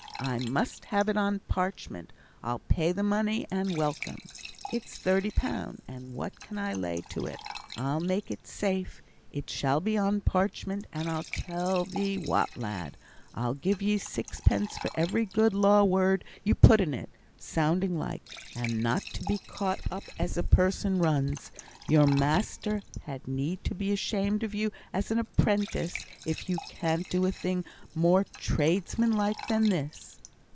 I mun have it on parchment. I'll pay the money and welcome. It's thirty pound, and what I can lay to it. I'll make it safe. It shall be on parchment, and I'll tell thee what, lad! I'll gie ye sixpence for every good law word you put in it, sounding like, and not to be caught up as a person runs. Your master had need to be ashamed of you as a 'prentice if you can't do a thing more tradesman like than this!'